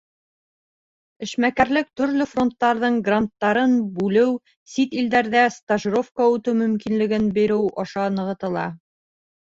Эшмәкәрлек төрлө фондтарҙың гранттарын бүлеү, сит илдәрҙә стажировка үтеү мөмкинлеген биреү аша нығытыла.